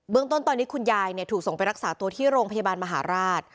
ต้นตอนนี้คุณยายถูกส่งไปรักษาตัวที่โรงพยาบาลมหาราช